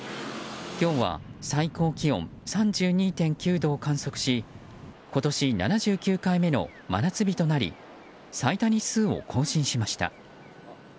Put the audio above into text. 今日は最高気温３２．９度を観測し今年７９回目の真夏日となり最多日数を更新しました。